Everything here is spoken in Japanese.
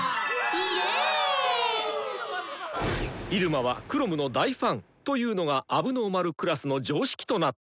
「イルマはくろむの大ファン」というのが問題児クラスの常識となった。